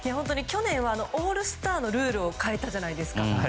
去年はオールスターのルールを変えたじゃないですか。